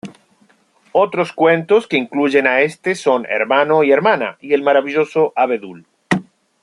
Otros cuentos que incluyen a este son Hermano y Hermana y El maravilloso abedul.